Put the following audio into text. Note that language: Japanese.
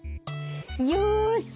よし！